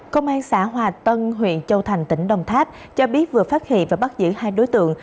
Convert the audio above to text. công an xã hòa tân huyện châu thành tỉnh đồng tháp cho biết vừa phát hiện và bắt giữ hai đối tượng